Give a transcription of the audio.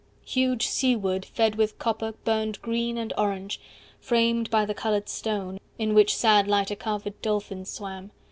Huge sea wood fed with copper Burned green and orange, framed by the coloured stone, 95 In which sad light a carvèd dolphin swam.